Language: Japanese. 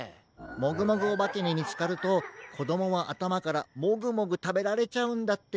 もぐもぐおばけにみつかるとこどもはあたまからもぐもぐたべられちゃうんだって。